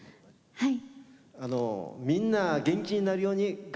はい。